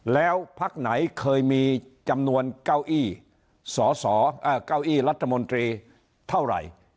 แล้วพักไหนเคยมีจำนวนเก้าอี้ระธรรมนตรีเท่าไหร่